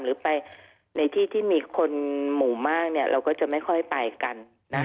หรือไปในที่ที่มีคนหมู่มากเนี่ยเราก็จะไม่ค่อยไปกันนะ